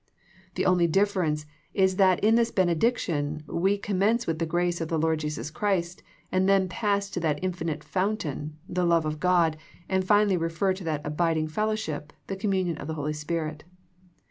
The only difference is that in this benediction we com mence with the grace of the Lord Jesus Christ and then pass to that infinite fountain, the love of God, and finally refer to that abiding fellow ship, the communion of the Holy Spirit.